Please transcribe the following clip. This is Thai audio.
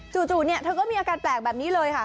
จู่เนี่ยเธอก็มีอาการแปลกแบบนี้เลยค่ะ